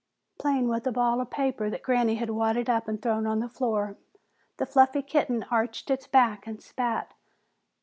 Playing with a ball of paper that Granny had wadded up and thrown on the floor, the fluffy kitten arched its back and spat.